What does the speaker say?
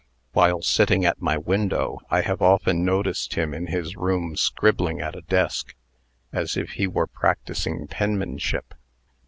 While sitting, at my window, I have often noticed him in his room scribbling at a desk, as if he were practising penmanship.